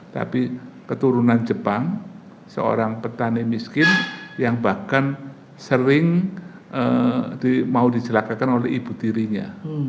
tapi keturunan jepang seorang petani miskin yang bahkan sering mau dijelakakan oleh ibu tirinya